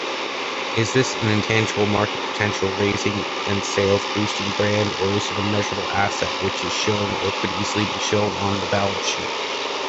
Is this an intangible market potential raising and sales boosting brand or is it a measurable asset, which is shown or could easily be shown on the balance sheet?